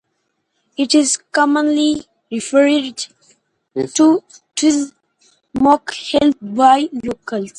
It is commonly referred to as "Moke Hill" by locals.